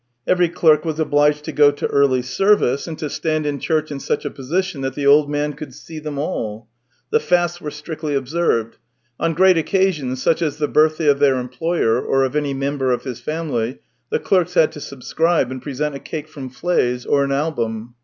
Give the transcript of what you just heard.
Every clerk was obliged to go to early service, and to stand in chiuch in such a position that the old man could see them all. The fasts were strictly observed. On great occasions, such as the birthday of their employer or of any member of his family, the clerks had to subscribe and present a cake from Fley's, or an album.